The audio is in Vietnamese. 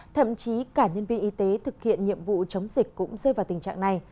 thậm chí cả nhân viên y tế thực hiện nhiệm vụ chống dịch cũng rơi vào tình trạng này